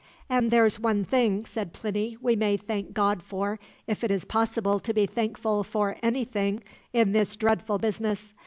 "And there's one thing," said Plinny, "we may thank God for, if it is possible to be thankful for anything in this dreadful business.